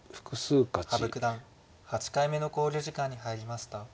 羽生九段８回目の考慮時間に入りました。